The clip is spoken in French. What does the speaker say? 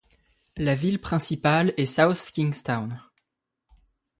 La ville principale est South Kingstown.